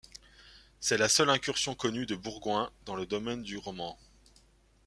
C'est la seule incursion connue de Bourgoing dans le domaine du roman.